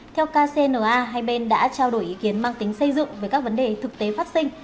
theo kcna hai bên đã trao đổi ý kiến mang tính xây dựng về các vấn đề thực tế phát sinh